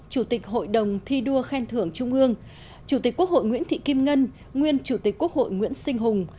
chủ tịch hội đồng thi đua khen thưởng trung ương chủ tịch quốc hội nguyễn thị kim ngân nguyên chủ tịch quốc hội nguyễn sinh hùng